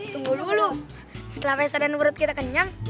tunggu dulu setelah pesa dan perut kita kenyang